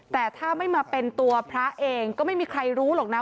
แต่ถ้าไม่มาเป็นตัวพระเองก็ไม่มีใครรู้หรอกนะ